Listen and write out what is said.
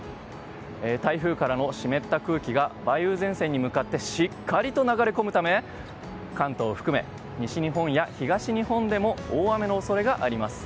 台風からの湿った空気が梅雨前線に向かってしっかりと流れ込むため関東を含め西日本や東日本でも大雨の恐れがあります。